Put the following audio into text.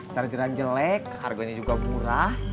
charger an jelek harganya juga murah